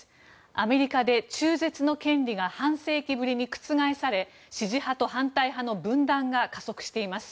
アメリカで中絶の権利が半世紀ぶりに覆され支持派と反対派の分断が加速しています。